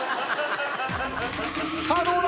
さあどうだ